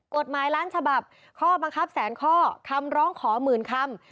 กฎหมายล้านฉบับข้อบังคับแสนข้อคำร้องขอหมื่นคำ